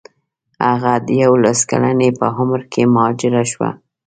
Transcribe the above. هغه د یوولس کلنۍ په عمر کې مهاجره شوه.